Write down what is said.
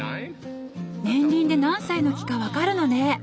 年輪で何歳の木か分かるのね。